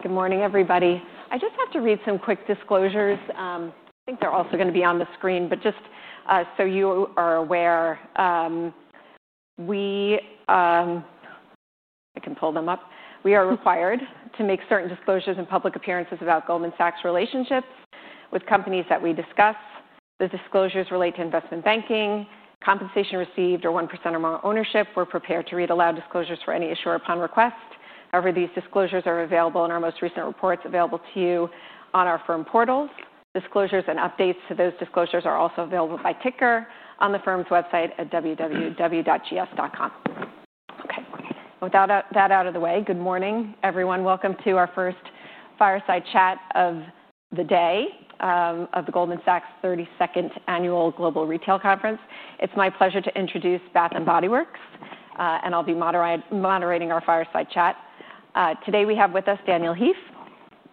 Good morning, everybody. I just have to read some quick disclosures. I think they're also going to be on the screen, but just so you are aware, we are required to make certain disclosures in public appearances about Goldman Sachs relationships with companies that we discuss. The disclosures relate to investment banking, compensation received, or 1% or more ownership. We're prepared to read aloud disclosures for any issuer upon request. However, these disclosures are available in our most recent reports available to you on our firm portals. Disclosures and updates to those disclosures are also available by ticker on the firm's website at www.gs.com. Okay, with that out of the way, good morning, everyone. Welcome to our first fireside chat of the day of the Goldman Sachs 32nd Annual Global Retail Conference. It's my pleasure to introduce Bath & Body Works, and I'll be moderating our fireside chat. Today, we have with us Daniel Heath,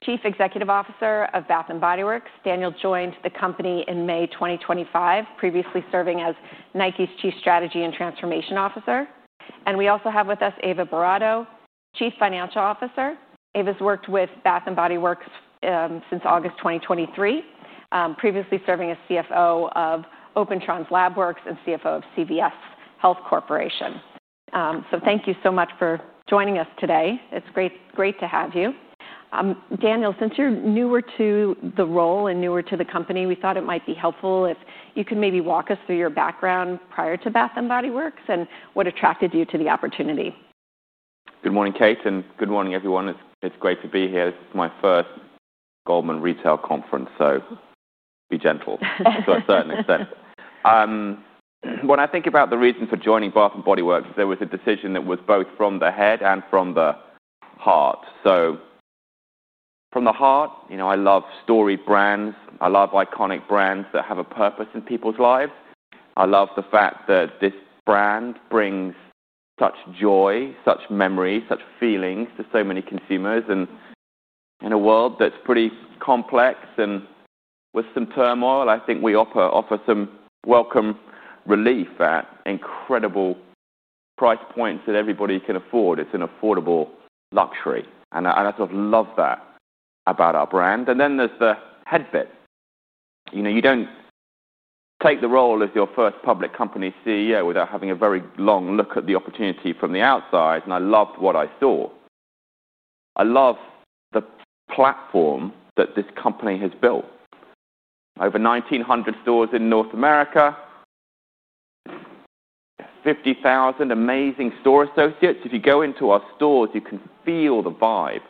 Chief Executive Officer of Bath & Body Works. Daniel joined the company in May 2025, previously serving as Nike's Chief Strategy and Transformation Officer. We also have with us Eva Boratto, Chief Financial Officer. Eva's worked with Bath & Body Works since August 2023, previously serving as CFO of OpenTrons LabWorks and CFO of CVS Health Corporation. Thank you so much for joining us today. It's great to have you. Daniel, since you're newer to the role and newer to the company, we thought it might be helpful if you could maybe walk us through your background prior to Bath & Body Works and what attracted you to the opportunity. Good morning, Kate, and good morning, everyone. It's great to be here. It's my first Goldman Sachs Retail Conference, so be gentle to a certain extent. When I think about the reason for joining Bath & Body Works, there was a decision that was both from the head and from the heart. From the heart, you know, I love storied brands. I love iconic brands that have a purpose in people's lives. I love the fact that this brand brings such joy, such memories, such feelings to so many consumers. In a world that's pretty complex and with some turmoil, I think we offer some welcome relief at incredible price points that everybody can afford. It's an affordable luxury. I sort of love that about our brand. Then there's the head fit. You know, you don't take the role as your first public company CEO without having a very long look at the opportunity from the outside. I loved what I saw. I love the platform that this company has built. Over 1,900 stores in North America, 50,000 amazing store associates. If you go into our stores, you can feel the vibe.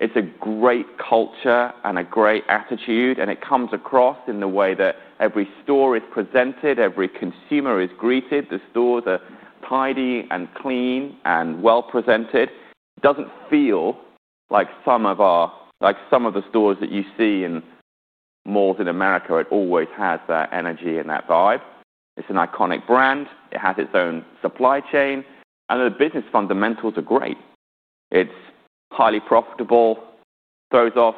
It's a great culture and a great attitude. It comes across in the way that every store is presented. Every consumer is greeted. The stores are tidy and clean and well presented. It doesn't feel like some of the stores that you see in malls in America. It always has that energy and that vibe. It's an iconic brand. It has its own supply chain. The business fundamentals are great. It's highly profitable, throws off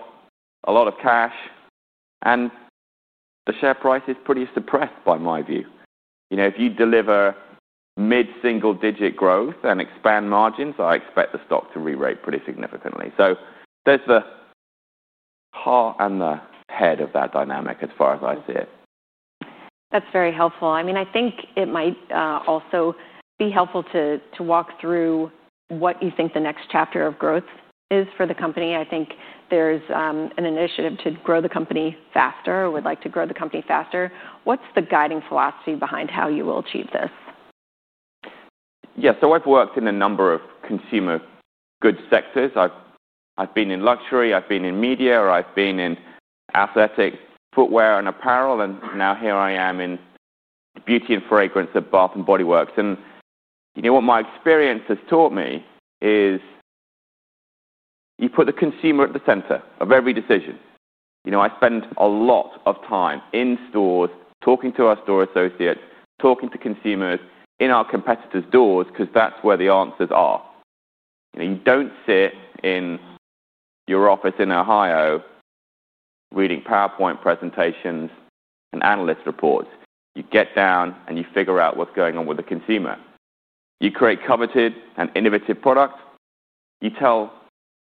a lot of cash, and the share price is pretty suppressed by my view. If you deliver mid-single-digit growth and expand margins, I expect the stock to re-rate pretty significantly. There's the heart and the head of that dynamic as far as I see it. That's very helpful. I think it might also be helpful to walk through what you think the next chapter of growth is for the company. I think there's an initiative to grow the company faster, or we'd like to grow the company faster. What's the guiding philosophy behind how you will achieve this? Yeah, so I've worked in a number of consumer goods sectors. I've been in luxury, I've been in media, or I've been in athletic footwear and apparel, and now here I am in beauty and fragrance at Bath & Body Works. You know what my experience has taught me is you put the consumer at the center of every decision. I spend a lot of time in stores talking to our store associates, talking to consumers in our competitors' doors because that's where the answers are. You don't sit in your office in Ohio reading PowerPoint presentations and analyst reports. You get down and you figure out what's going on with the consumer. You create coveted and innovative products. You tell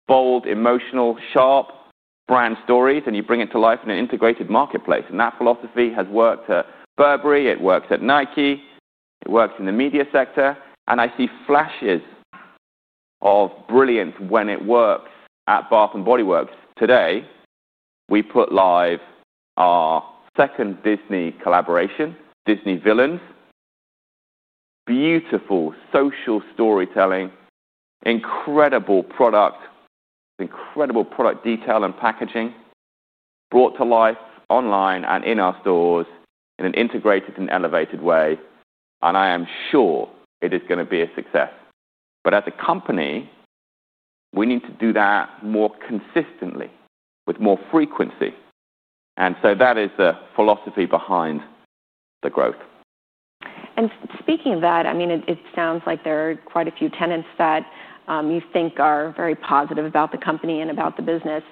bold, emotional, sharp brand stories, and you bring it to life in an integrated marketplace. That philosophy has worked at Burberry, it works at Nike, it works in the media sector, and I see flashes of brilliance when it works at Bath & Body Works. Today, we put live our second Disney collaboration, Disney Villains, beautiful social storytelling, incredible product, incredible product detail and packaging brought to life online and in our stores in an integrated and elevated way. I am sure it is going to be a success. As a company, we need to do that more consistently with more frequency. That is the philosophy behind the growth. Speaking of that, it sounds like there are quite a few tenets that you think are very positive about the company and about the business.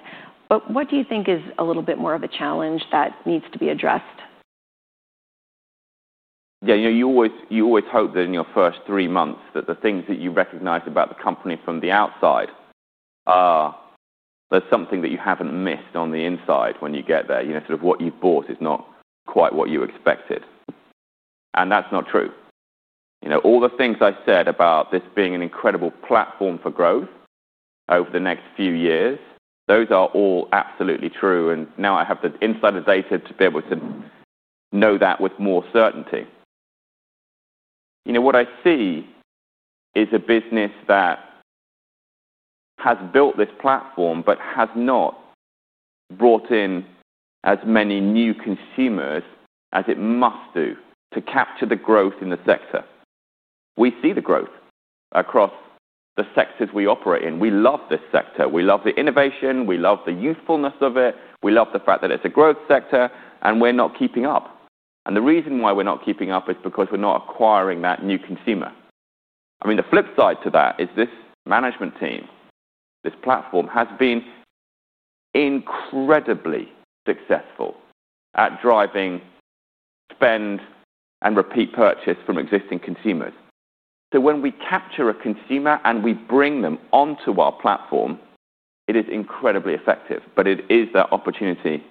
What do you think is a little bit more of a challenge that needs to be addressed? Yeah, you always hope that in your first three months that the things that you recognize about the company from the outside are something that you haven't missed on the inside when you get there. You know, sort of what you've bought is not quite what you expected. That's not true. All the things I said about this being an incredible platform for growth over the next few years, those are all absolutely true. Now I have the insider data to be able to know that with more certainty. What I see is a business that has built this platform but has not brought in as many new consumers as it must do to capture the growth in the sector. We see the growth across the sectors we operate in. We love this sector. We love the innovation. We love the youthfulness of it. We love the fact that it's a growth sector and we're not keeping up. The reason why we're not keeping up is because we're not acquiring that new consumer. The flip side to that is this management team, this platform has been incredibly successful at driving spend and repeat purchase from existing consumers. When we capture a consumer and we bring them onto our platform, it is incredibly effective. It is the opportunity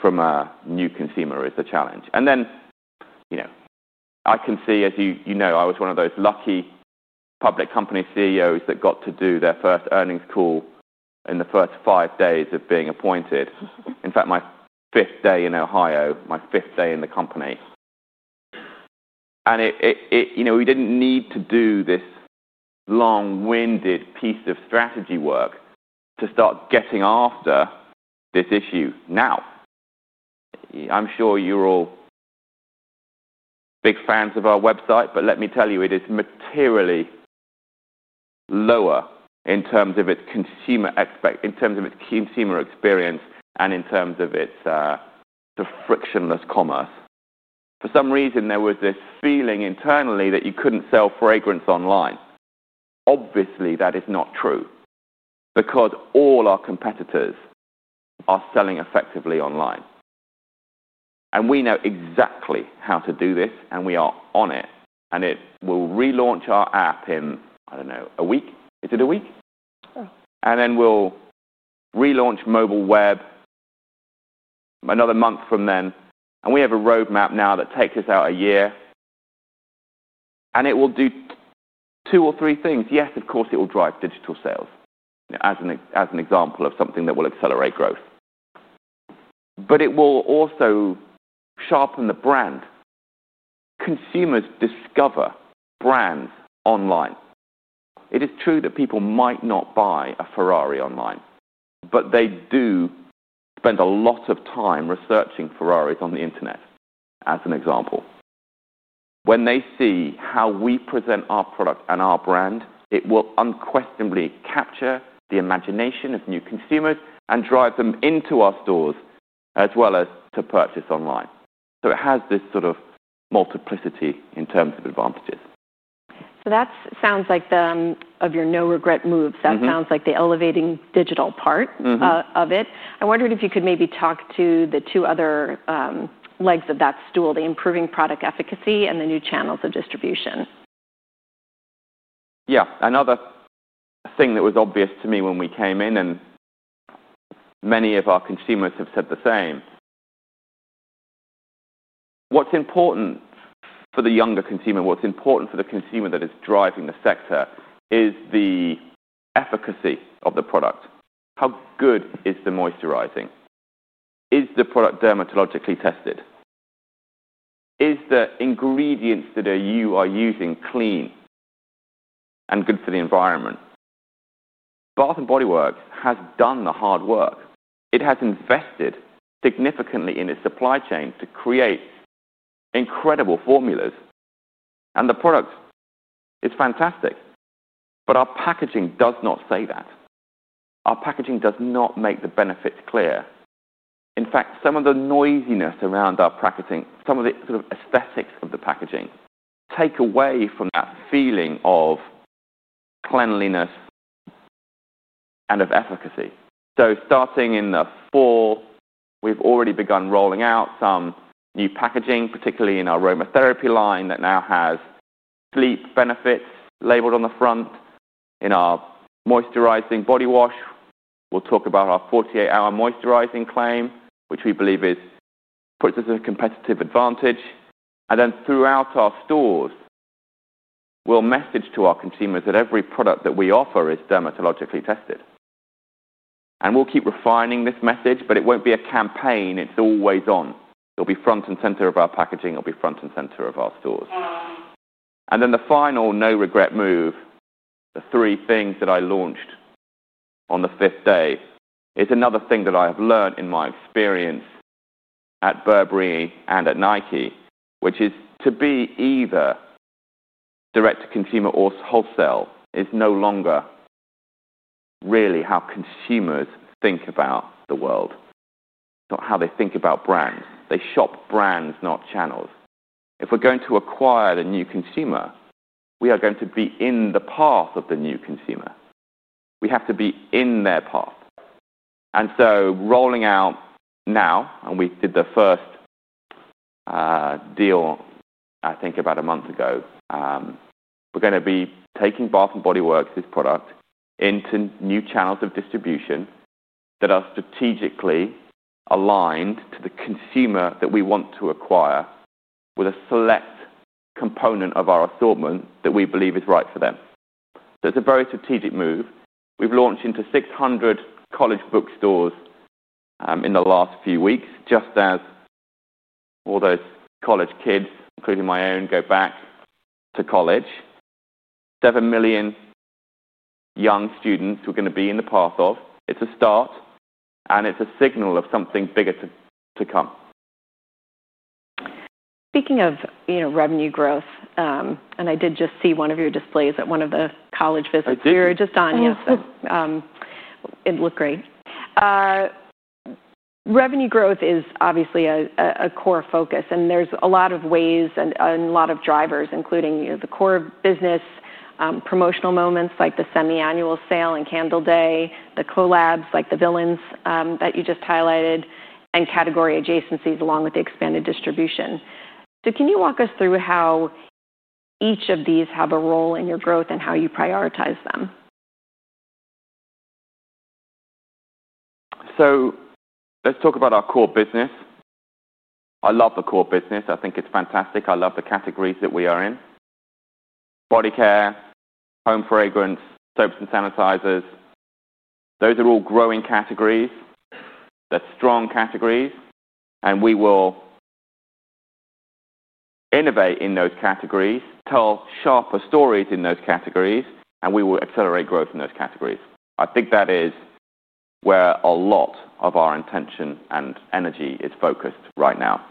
from a new consumer that is the challenge. I can see, as you know, I was one of those lucky public company CEOs that got to do their first earnings call in the first five days of being appointed. In fact, my fifth day in Ohio, my fifth day in the company. We didn't need to do this long-winded piece of strategy work to start getting after this issue now. I'm sure you're all big fans of our website, but let me tell you, it is materially lower in terms of its consumer experience and in terms of its frictionless commerce. For some reason, there was this feeling internally that you couldn't sell fragrance online. Obviously, that is not true because all our competitors are selling effectively online. We know exactly how to do this, and we are on it. We'll relaunch our app in, I don't know, a week. Is it a week? Yeah. Then we'll relaunch mobile web another month from then. We have a roadmap now that takes us out a year. It will do two or three things. Yes, of course, it will drive digital sales as an example of something that will accelerate growth. It will also sharpen the brand. Consumers discover brands online. It is true that people might not buy a Ferrari online, but they do spend a lot of time researching Ferraris on the internet as an example. When they see how we present our product and our brand, it will unquestionably capture the imagination of new consumers and drive them into our stores as well as to purchase online. It has this sort of multiplicity in terms of advantages. That sounds like the, of your no-regret moves. That sounds like the elevating digital part of it. I wondered if you could maybe talk to the two other legs of that stool, the improving product efficacy and the new channels of distribution. Yeah, another thing that was obvious to me when we came in, and many of our consumers have said the same. What's important for the younger consumer, what's important for the consumer that is driving the sector is the efficacy of the product. How good is the moisturizing? Is the product dermatologically tested? Are the ingredients that you are using clean and good for the environment? Bath & Body Works has done the hard work. It has invested significantly in its supply chain to create incredible formulas, and the product is fantastic. Our packaging does not say that. Our packaging does not make the benefits clear. In fact, some of the noisiness around our packaging, some of the sort of aesthetics of the packaging take away from that feeling of cleanliness and of efficacy. Starting in the fall, we've already begun rolling out some new packaging, particularly in our aromatherapy line that now has sleep benefits labeled on the front. In our moisturizing body wash, we'll talk about our 48-hour moisturizing claim, which we believe puts us at a competitive advantage. Throughout our stores, we'll message to our consumers that every product that we offer is dermatologically tested. We'll keep refining this message, but it won't be a campaign. It's always on. It'll be front and center of our packaging. It'll be front and center of our stores. The final no-regret move, the three things that I launched on the fifth day, is another thing that I have learned in my experience at Burberry and at Nike, which is to be either direct to consumer or wholesale is no longer really how consumers think about the world. It's not how they think about brands. They shop brands, not channels. If we're going to acquire the new consumer, we are going to be in the path of the new consumer. We have to be in their path. Rolling out now, and we did the first deal, I think, about a month ago, we're going to be taking Bath & Body Works' product into new channels of distribution that are strategically aligned to the consumer that we want to acquire with a select component of our assortment that we believe is right for them. It's a very strategic move. We've launched into 600 college bookstores in the last few weeks, just as all those college kids, including my own, go back to college. Seven million young students who are going to be in the path of. It's a start, and it's a signal of something bigger to come. Speaking of revenue growth, I did just see one of your displays at one of the college visits you were just on, yes. It looked great. Revenue growth is obviously a core focus, and there's a lot of ways and a lot of drivers, including the core business, promotional moments like the semi-annual sale and Candle Day, the collabs like the Disney Villains collaboration that you just highlighted, and category adjacencies along with the expanded distribution. Can you walk us through how each of these have a role in your growth and how you prioritize them? Let's talk about our core business. I love the core business. I think it's fantastic. I love the categories that we are in: body care, home fragrance, soaps, and sanitizers. Those are all growing categories. They're strong categories, and we will innovate in those categories, tell sharper stories in those categories, and we will accelerate growth in those categories. I think that is where a lot of our intention and energy is focused right now.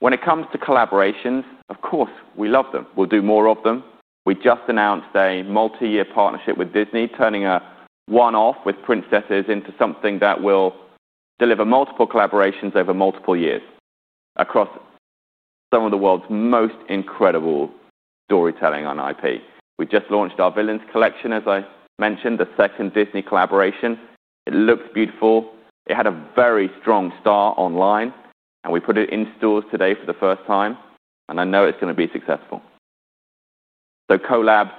When it comes to collaborations, of course, we love them. We'll do more of them. We just announced a multi-year partnership with Disney, turning a one-off with princesses into something that will deliver multiple collaborations over multiple years across some of the world's most incredible storytelling on IP. We just launched our Disney Villains collaboration, as I mentioned, the second Disney collaboration. It looks beautiful. It had a very strong start online, and we put it in stores today for the first time, and I know it's going to be successful. Collabs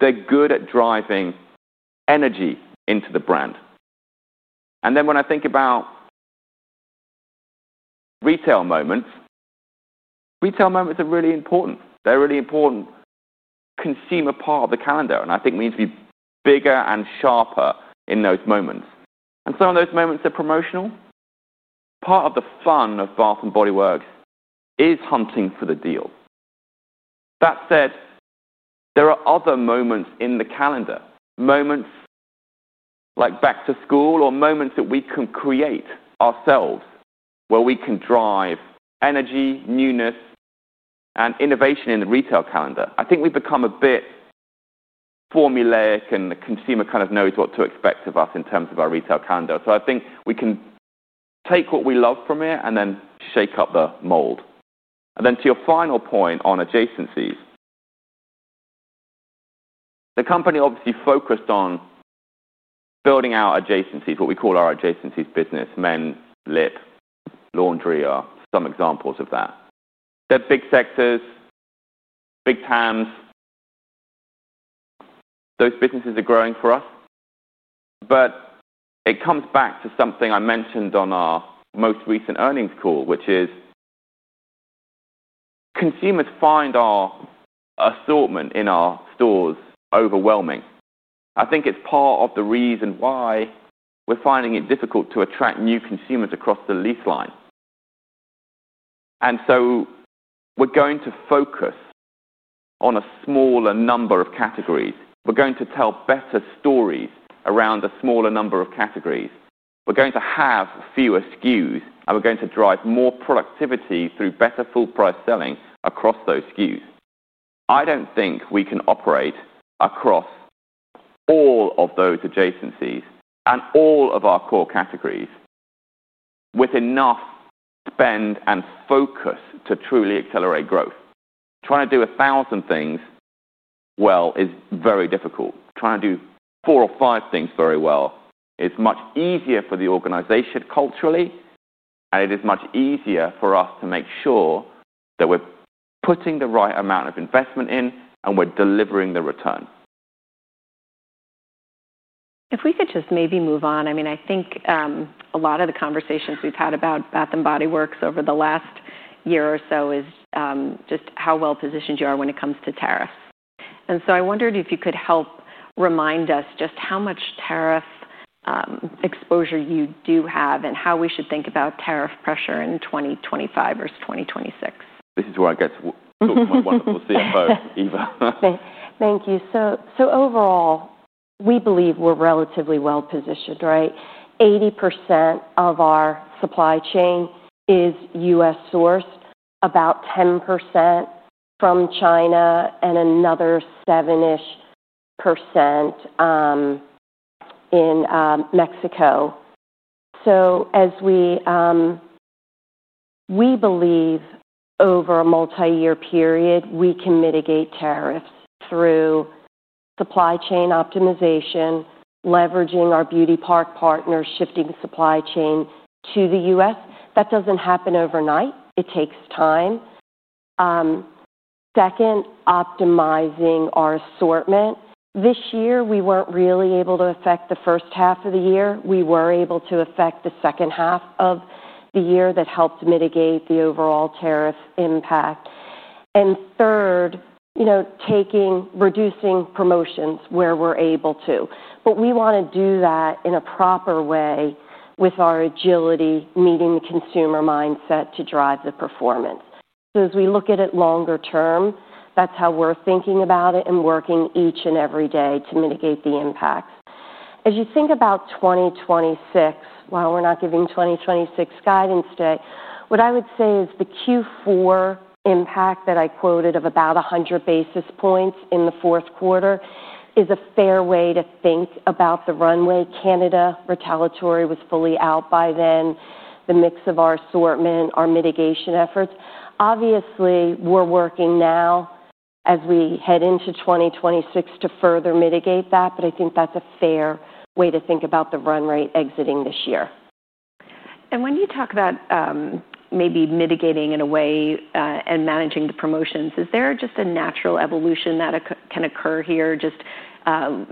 are good at driving energy into the brand. When I think about retail moments, retail moments are really important. They're a really important consumer part of the calendar, and I think we need to be bigger and sharper in those moments. Some of those moments are promotional. Part of the fun of Bath & Body Works is hunting for the deal. That said, there are other moments in the calendar, moments like back to school or moments that we can create ourselves where we can drive energy, newness, and innovation in the retail calendar. I think we've become a bit formulaic, and the consumer kind of knows what to expect of us in terms of our retail calendar. I think we can take what we love from it and then shake up the mold. To your final point on adjacencies, the company obviously focused on building out adjacencies, what we call our adjacencies business, Men, Lip, Laundry are some examples of that. They're big sectors, big times. Those businesses are growing for us. It comes back to something I mentioned on our most recent earnings call, which is consumers find our assortment in our stores overwhelming. I think it's part of the reason why we're finding it difficult to attract new consumers across the lease line. We're going to focus on a smaller number of categories. We're going to tell better stories around a smaller number of categories. We're going to have fewer SKUs, and we're going to drive more productivity through better full-price selling across those SKUs. I don't think we can operate across all of those adjacencies and all of our core categories with enough spend and focus to truly accelerate growth. Trying to do a thousand things well is very difficult. Trying to do four or five things very well is much easier for the organization culturally, and it is much easier for us to make sure that we're putting the right amount of investment in and we're delivering the returns. If we could just maybe move on, I think a lot of the conversations we've had about Bath & Body Works over the last year or so is just how well positioned you are when it comes to tariffs. I wondered if you could help remind us just how much tariff exposure you do have and how we should think about tariff pressure in 2025 versus 2026. This is where I get to talk to my wonderful CFO, Eva Boratto. Thank you. Overall, we believe we're relatively well positioned, right? 80% of our supply chain is U.S. sourced, about 10% from China, and another 7% in Mexico. We believe over a multi-year period, we can mitigate tariffs through supply chain optimization, leveraging our beauty park partners, shifting the supply chain to the U.S. That doesn't happen overnight. It takes time. Second, optimizing our assortment. This year, we weren't really able to affect the first half of the year. We were able to affect the second half of the year that helped mitigate the overall tariff impact. Third, reducing promotions where we're able to. We want to do that in a proper way with our agility, meeting the consumer mindset to drive the performance. As we look at it longer term, that's how we're thinking about it and working each and every day to mitigate the impacts. As you think about 2026, while we're not giving 2026 guidance today, what I would say is the Q4 impact that I quoted of about 100 basis points in the fourth quarter is a fair way to think about the runway. Canada, retaliatory was fully out by then. The mix of our assortment, our mitigation efforts. Obviously, we're working now as we head into 2026 to further mitigate that, but I think that's a fair way to think about the run rate exiting this year. When you talk about maybe mitigating in a way and managing the promotions, is there just a natural evolution that can occur here? Just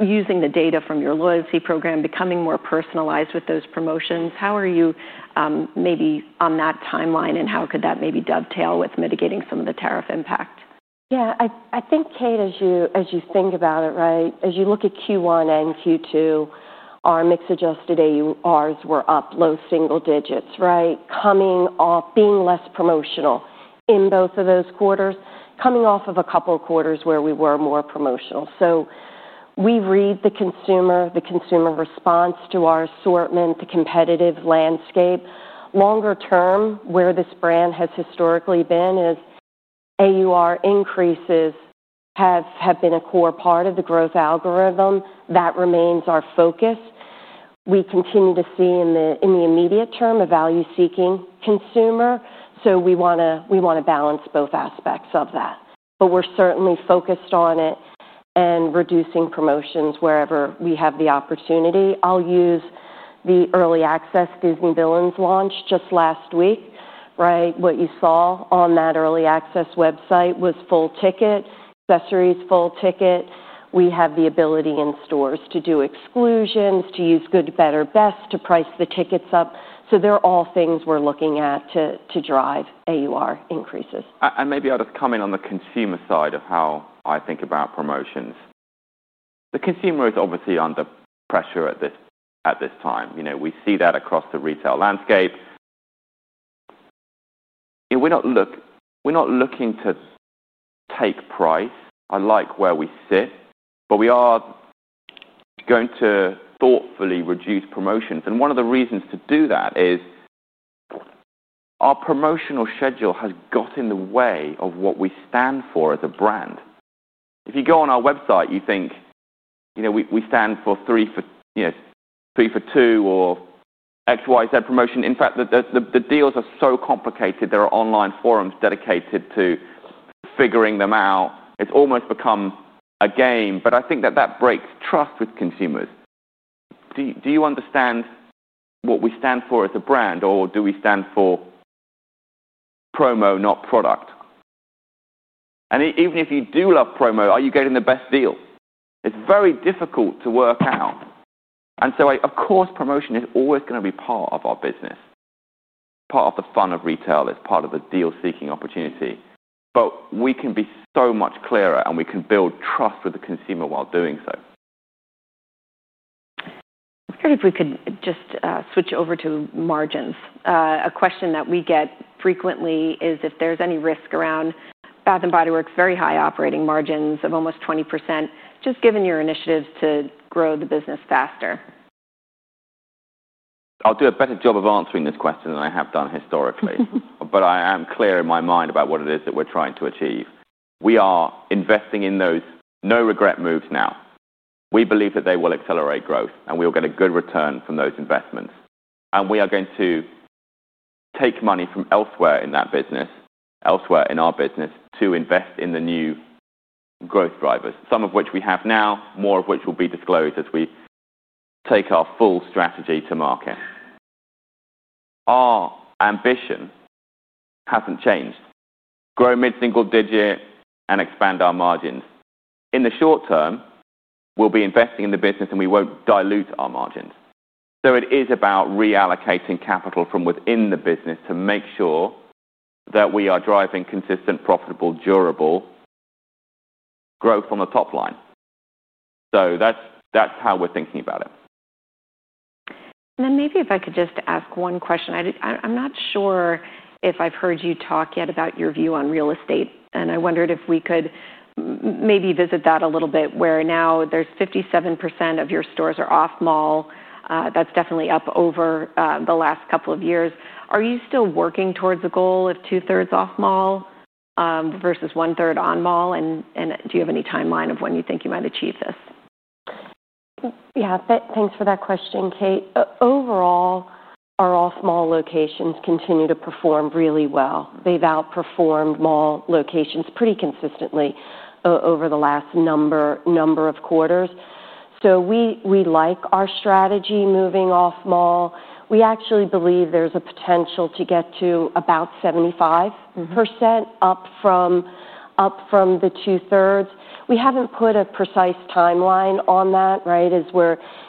using the data from your loyalty program, becoming more personalized with those promotions, how are you maybe on that timeline and how could that maybe dovetail with mitigating some of the tariff impact? Yeah. I think, Kate, as you think about it, right, as you look at Q1 and Q2, our mixed adjusted AURs were up low single digits, right? Coming off being less promotional in both of those quarters, coming off of a couple of quarters where we were more promotional. We read the consumer, the consumer response to our assortment, the competitive landscape. Longer term, where this brand has historically been is AUR increases have been a core part of the growth algorithm. That remains our focus. We continue to see in the immediate term a value-seeking consumer. We want to balance both aspects of that. We're certainly focused on it and reducing promotions wherever we have the opportunity. I'll use the early access Disney Villains launch just last week, right? What you saw on that early access website was full ticket, accessories, full ticket. We have the ability in stores to do exclusions, to use good, better, best to price the tickets up. They're all things we're looking at to drive AUR increases. I may be able to comment on the consumer side of how I think about promotions. The consumer is obviously under pressure at this time. We see that across the retail landscape. We're not looking to take pride. I like where we sit, but we are going to thoughtfully reduce promotions. One of the reasons to do that is our promotional schedule has got in the way of what we stand for as a brand. If you go on our website, you think we stand for three for two or XYZ promotion. In fact, the deals are so complicated. There are online forums dedicated to figuring them out. It's almost become a game. I think that breaks trust with consumers. Do you understand what we stand for as a brand or do we stand for promo, not product? Even if you do love promo, are you getting the best deal? It's very difficult to work out. Of course, promotion is always going to be part of our business, part of the fun of retail, part of the deal-seeking opportunity. We can be so much clearer and we can build trust with the consumer while doing so. I'm curious if we can just switch over to margins. A question that we get frequently is if there's any risk around Bath & Body Works' very high operating margins of almost 20%, just given your initiatives to grow the business faster. I'll do a better job of answering this question than I have done historically, but I am clear in my mind about what it is that we're trying to achieve. We are investing in those no-regret moves now. We believe that they will accelerate growth and we will get a good return from those investments. We are going to take money from elsewhere in that business, elsewhere in our business to invest in the new growth drivers, some of which we have now, more of which will be disclosed as we take our full strategy to market. Our ambition hasn't changed: grow mid-single digit and expand our margins. In the short term, we'll be investing in the business and we won't dilute our margins. It is about reallocating capital from within the business to make sure that we are driving consistent, profitable, durable growth on the top line. That's how we're thinking about it. Maybe if I could just ask one question, I'm not sure if I've heard you talk yet about your view on real estate. I wondered if we could maybe visit that a little bit where now there's 57% of your stores are off mall. That's definitely up over the last couple of years. Are you still working towards the goal of two-thirds off mall versus one-third on mall? Do you have any timeline of when you think you might achieve this? Yeah. Thanks for that question, Kate. Overall, our off mall locations continue to perform really well. They've outperformed mall locations pretty consistently over the last number of quarters. We like our strategy moving off mall. We actually believe there's a potential to get to about 75% up from the two-thirds. We haven't put a precise timeline on that, right? As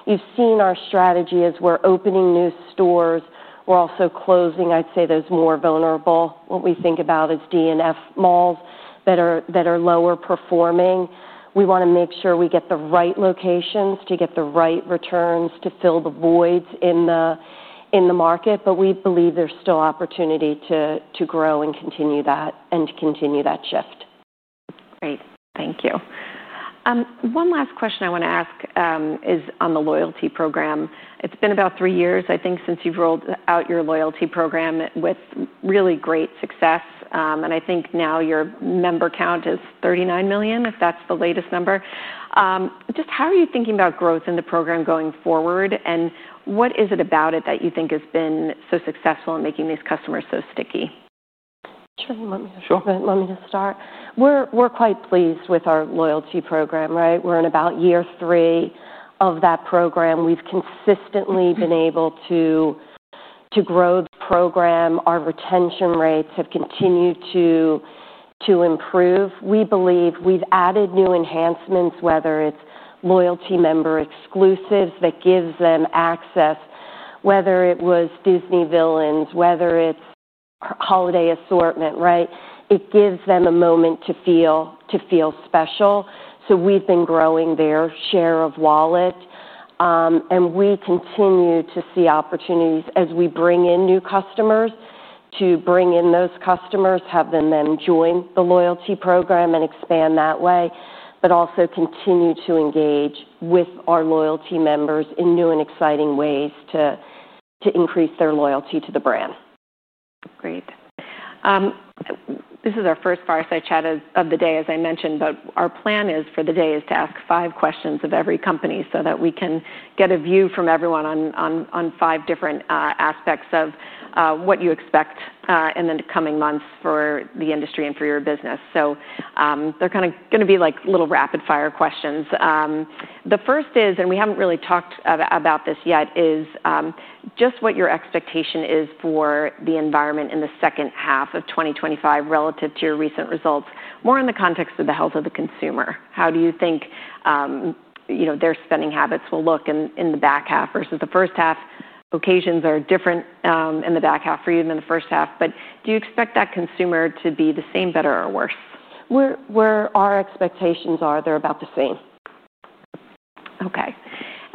you've seen our strategy as we're opening new stores, we're also closing, I'd say, those more vulnerable. What we think about is DNF malls that are lower performing. We want to make sure we get the right locations to get the right returns to fill the voids in the market. We believe there's still opportunity to grow and continue that and to continue that shift. Great. Thank you. One last question I want to ask is on the loyalty program. It's been about three years, I think, since you've rolled out your loyalty program with really great success. I think now your member count is 39 million, if that's the latest number. Just how are you thinking about growth in the program going forward? What is it about it that you think has been so successful in making these customers so sticky? Sure. Let me just start. We're quite pleased with our loyalty program, right? We're in about year three of that program. We've consistently been able to grow the program. Our retention rates have continued to improve. We believe we've added new enhancements, whether it's loyalty member exclusives that give them access, whether it was Disney Villains, whether it's our holiday assortment, right? It gives them a moment to feel special. We've been growing their share of wallet. We continue to see opportunities as we bring in new customers, to bring in those customers, have them then join the loyalty program and expand that way, but also continue to engage with our loyalty members in new and exciting ways to increase their loyalty to the brand. Great. This is our first fireside chat of the day, as I mentioned, but our plan for the day is to ask five questions of every company so that we can get a view from everyone on five different aspects of what you expect in the coming months for the industry and for your business. They are kind of going to be like little rapid-fire questions. The first is, and we haven't really talked about this yet, is just what your expectation is for the environment in the second half of 2025 relative to your recent results, more in the context of the health of the consumer. How do you think their spending habits will look in the back half versus the first half? Occasions are different in the back half for you than the first half, but do you expect that consumer to be the same, better, or worse? Where our expectations are, they're about the same. Okay.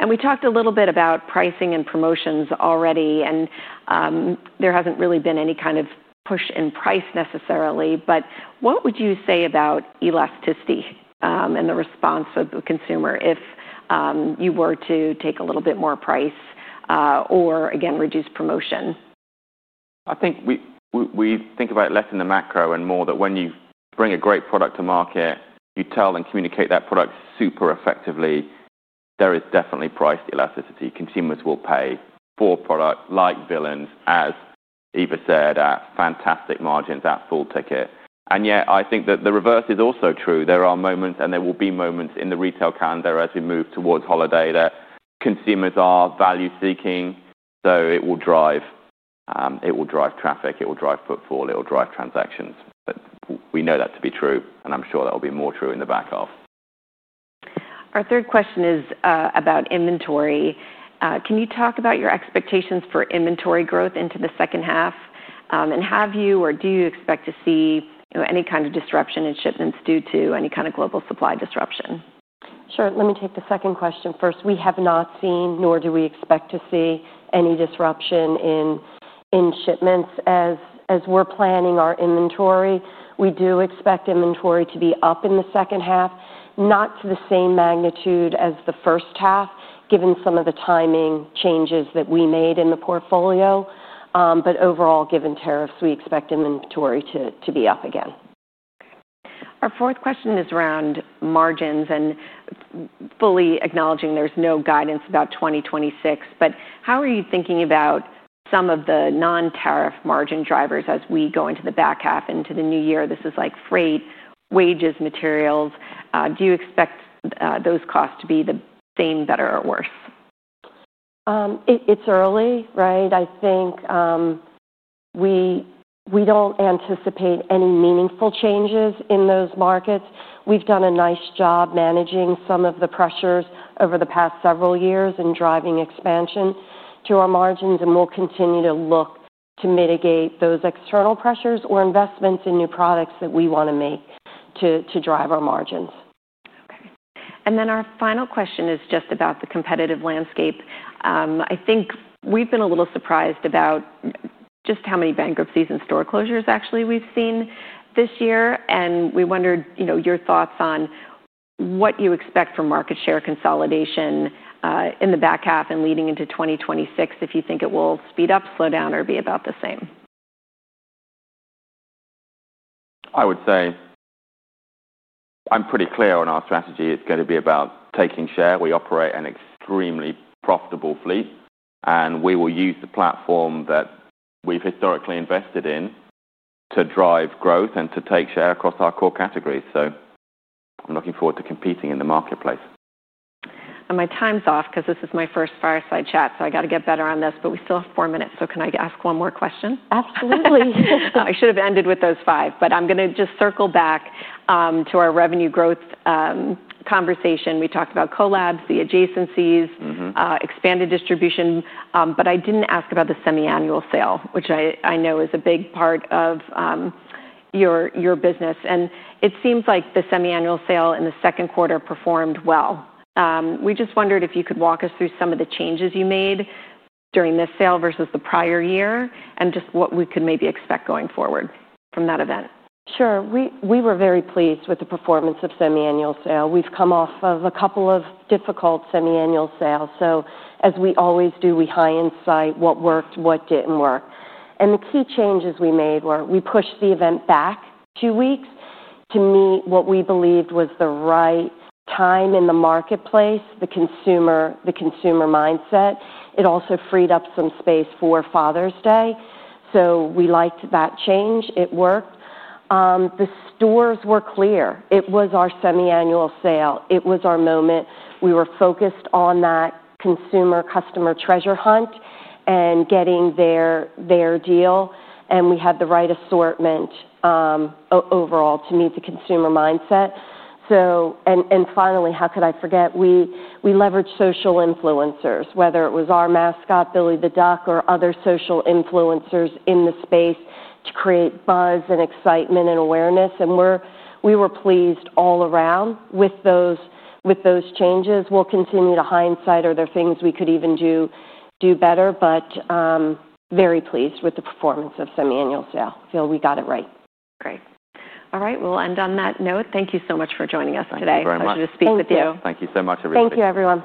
We talked a little bit about pricing and promotions already, and there hasn't really been any kind of push in price necessarily, but what would you say about elasticity and the response of the consumer if you were to take a little bit more price or, again, reduce promotion? I think we think about less in the macro and more that when you bring a great product to market, you tell and communicate that product super effectively. There is definitely price elasticity. Consumers will pay for a product like Disney Villains collaboration, as Eva said, at fantastic margins at full ticket. I think that the reverse is also true. There are moments and there will be moments in the retail calendar as we move towards holiday that consumers are value-seeking. It will drive traffic, it will drive footfall, it will drive transactions. We know that to be true, and I'm sure that will be more true in the back office. Our third question is about inventory. Can you talk about your expectations for inventory growth into the second half? Can you talk about whether you expect to see any kind of disruption in shipments due to any kind of global supply disruption? Sure. Let me take the second question first. We have not seen, nor do we expect to see, any disruption in shipments as we're planning our inventory. We do expect inventory to be up in the second half, not to the same magnitude as the first half, given some of the timing changes that we made in the portfolio. Overall, given tariffs, we expect inventory to be up again. Our fourth question is around margins and fully acknowledging there's no guidance about 2026, how are you thinking about some of the non-tariff margin drivers as we go into the back half into the new year? This is like freight, wages, materials. Do you expect those costs to be the same, better, or worse? It's early, right? I think we don't anticipate any meaningful changes in those markets. We've done a nice job managing some of the pressures over the past several years and driving expansion to our margins, and we'll continue to look to mitigate those external pressures or investments in new products that we want to make to drive our margins. Our final question is just about the competitive landscape. I think we've been a little surprised about just how many bankruptcies and store closures actually we've seen this year, and we wondered your thoughts on what you expect from market share consolidation in the back half and leading into 2026, if you think it will speed up, slow down, or be about the same. I would say I'm pretty clear on our strategy. It's going to be about taking share. We operate an extremely profitable fleet, and we will use the platform that we've historically invested in to drive growth and to take share across our core categories. I'm looking forward to competing in the marketplace. My time's off because this is my first fireside chat, so I got to get better on this, but we still have four minutes, so can I ask one more question? I should have ended with those five, but I'm going to just circle back to our revenue growth conversation. We talked about collabs, the adjacencies, expanded distribution, but I didn't ask about the semi-annual sale, which I know is a big part of your business. It seems like the semi-annual sale in the second quarter performed well. We just wondered if you could walk us through some of the changes you made during this sale versus the prior year and just what we could maybe expect going forward from that event. Sure. We were very pleased with the performance of the semi-annual sale. We've come off of a couple of difficult semi-annual sales. As we always do, we high-end what worked, what didn't work. The key changes we made were we pushed the event back two weeks to meet what we believed was the right time in the marketplace, the consumer mindset. It also freed up some space for Father's Day. We liked that change. It worked. The stores were clear. It was our semi-annual sale. It was our moment. We were focused on that consumer-customer treasure hunt and getting their deal. We had the right assortment overall to meet the consumer mindset. Finally, how could I forget? We leveraged social influencers, whether it was our mascot, Billy the Duck, or other social influencers in the space to create buzz and excitement and awareness. We were pleased all around with those changes. We'll continue to hindsight. Are there things we could even do better? Very pleased with the performance of the semi-annual sale. I feel we got it right. Great. All right. We'll end on that note. Thank you so much for joining us today. It's a pleasure to speak with you. Thank you so much, everybody. Thank you, everyone.